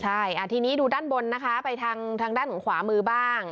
ใช่ทีนี้ดูด้านบนนะคะไปทางด้านของขวามือบ้าง